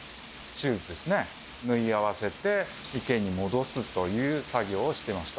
手術ですね、縫い合わせて、池に戻すという作業をしてました。